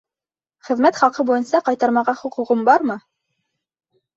Хеҙмәт хаҡы буйынса ҡайтармаға хоҡуғым бармы?